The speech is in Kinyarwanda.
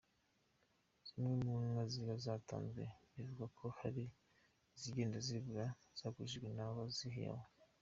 Zimwe mu nka ziba zatanzwe bivugwa ko hari izigenda zibura zagurishijwe n’ abazihawe.